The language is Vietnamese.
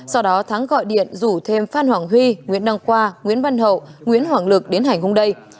sau đó thắng gọi điện rủ thêm phan hoàng huy nguyễn đăng khoa nguyễn văn hậu nguyễn hoàng lực đến hành hung đây